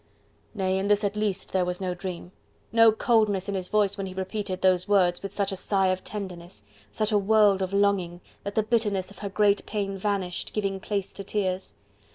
Nay! in this at least there was no dream! no coldness in his voice when he repeated those words with such a sigh of tenderness, such a world of longing, that the bitterness of her great pain vanished, giving place to tears.